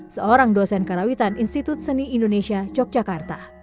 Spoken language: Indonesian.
seorang dosen karawitan institut seni indonesia yogyakarta